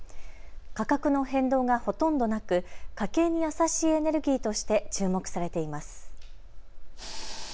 価格の変動がほとんどなく家計に優しいエネルギーとして注目されています。